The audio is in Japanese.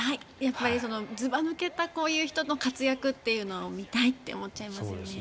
ずば抜けたこういう人の活躍というのを見たいって思っちゃいますよね。